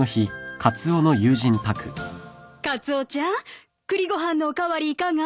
カツオちゃん栗ご飯のお代わりいかが？